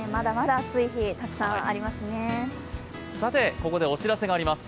ここでお知らせがあります。